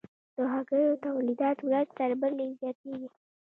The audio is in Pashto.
د هګیو تولیدات ورځ تر بلې زیاتیږي